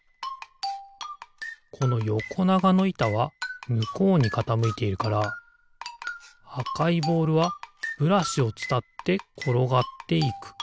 このよこながのいたはむこうにかたむいているからあかいボールはブラシをつたってころがっていく。